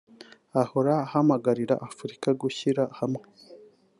ahora ahamagarira Afurika gushyira hamwe